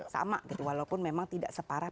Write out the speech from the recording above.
sama gitu walaupun memang tidak separah